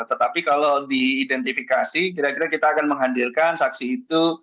tetapi kalau diidentifikasi kira kira kita akan menghadirkan saksi itu